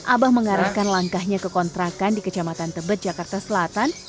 abah mengarahkan langkahnya ke kontrakan di kecamatan tebet jakarta selatan